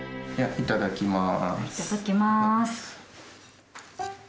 いただきます。